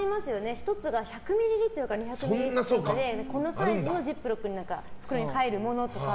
１つが１００ミリリットルか２００ミリリットルでこのサイズのジップロックに入るものとか。